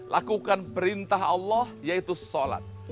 lakukan perintah allah yaitu sholat